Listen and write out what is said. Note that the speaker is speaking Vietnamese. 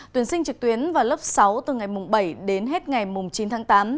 tuyển sinh trực tuyến vào lớp sáu từ ngày bảy đến hết ngày mùng chín tháng tám